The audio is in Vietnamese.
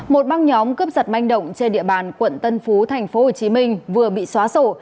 một băng nhóm cướp giật manh động trên địa bàn quận tân phú tp hcm vừa bị xóa sổ